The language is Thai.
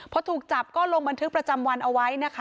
พอถูกจับก็ลงบันทึกประจำวันเอาไว้นะคะ